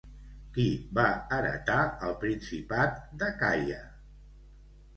Qui va heretar el Principat d'Acaia?